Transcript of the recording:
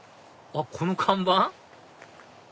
あっこの看板？